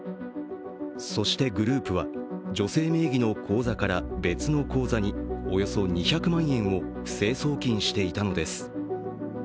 そして、グループは女性名義の口座から別の口座におよそ２００万円を不正送金していたのです。